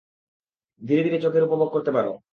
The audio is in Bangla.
ধীরে-ধীরে চেখে এর উপভোগ করতে পারো।